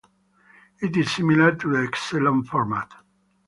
It is similar to the Excellon format.